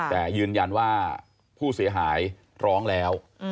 แต่ยืนยันว่าผู้เสียหายร้องแล้ว